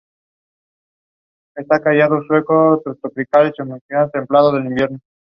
Entre el profesor de italiano Ramiro Ortiz y el estudiante nació una estrecha amistad.